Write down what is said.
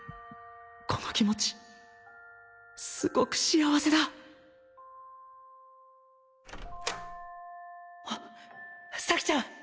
この気持ちすごく幸せだ咲ちゃん！